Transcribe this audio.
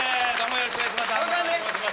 よろしくお願いします。